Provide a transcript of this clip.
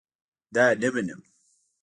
دا نه منم